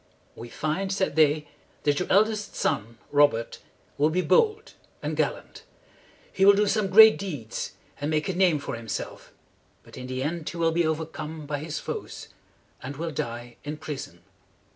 "We find," said they, "that your eldest son, Robert, will be bold and gallant. He will do some great deeds, and make a name for himself; but in the end he will be over come by his foes, and will die in prison.